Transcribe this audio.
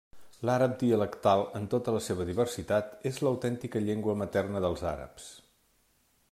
L'àrab dialectal, en tota la seva diversitat, és l'autèntica llengua materna dels àrabs.